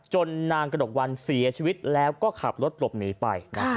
นางกระดกวันเสียชีวิตแล้วก็ขับรถหลบหนีไป